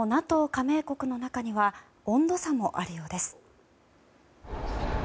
加盟国の中には、温度差もあるようです。